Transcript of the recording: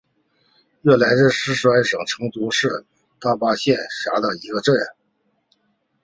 悦来镇是四川省成都市大邑县所辖的一个镇。